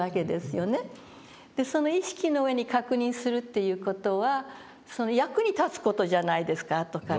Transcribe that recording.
その意識の上に確認するっていう事は役に立つ事じゃないですか後から。